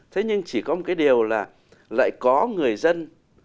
thế nhưng chỉ có một cái điều là lại có người dân